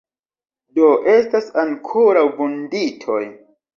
Do, estas ankoraŭ vunditoj.